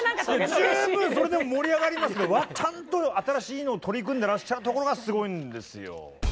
十分それでも盛り上がりますけどちゃんと新しいのを取り組んでらっしゃるところがすごいんですよ。